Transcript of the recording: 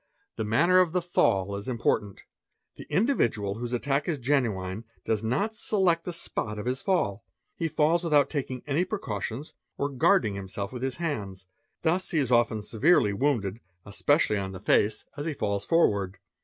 The manner of the fall is important. The individual whose 'attack is genuine, does not select the spot of his fall, he falls without iking any precautions or guarding himself with his hands; thus he is en severely wounded, especially on the face, as he falls forward.